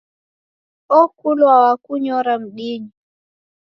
Okulwa wakunyora mdinyi